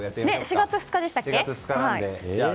４月２日でしたっけ。